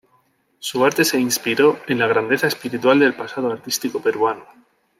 Su arte se inspiró en la grandeza espiritual del pasado artístico peruano.